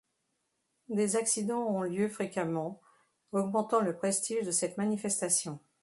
Des accidents ont lieu fréquemment, augmentant le prestige de cette manifestation.